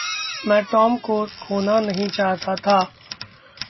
मैं टॉम को खोना नहीं चाहता था।